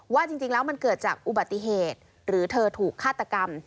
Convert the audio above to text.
ว่าจริงแล้วมันเกิดจากอุบัติเหตุหรือเธอถูกฆาตกรรม